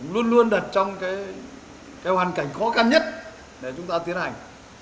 luôn luôn đặt trong cái hoàn cảnh khó khăn nhất để chúng ta tiến hành